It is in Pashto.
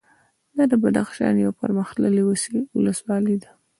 دا د بدخشان یوه پرمختللې ولسوالي ده